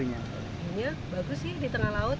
ini bagus sih di tengah laut